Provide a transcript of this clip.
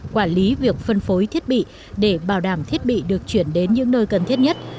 quản lý việc phân phối thiết bị để bảo đảm thiết bị được chuyển đến những nơi cần thiết nhất